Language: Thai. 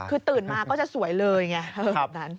คือตื่นมาก็จะสวยเลยอย่างนี้